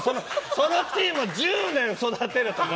そのチーム、１０年育てるのか。